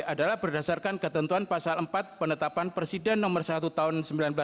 adalah berdasarkan ketentuan pasal empat penetapan presiden nomor satu tahun seribu sembilan ratus sembilan puluh